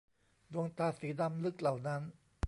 ดวงตาสีดำลึกเหล่านั้น !